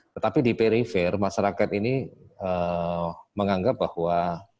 tetapi di perifer masyarakat ini menganggap bahwa